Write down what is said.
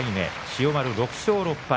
千代丸、６勝６敗。